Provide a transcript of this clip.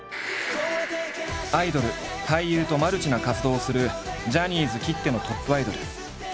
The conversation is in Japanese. アイドル俳優とマルチな活動をするジャニーズきってのトップアイドル。